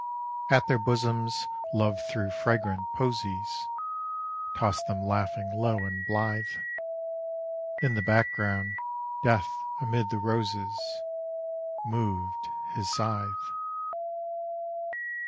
At their bosoms Love threw fragrant posies, Tossed them laughing low and blithe, In the background Death amid the roses Moved his scythe.